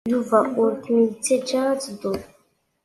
Yuba ur kem-yettajja ad tedduḍ.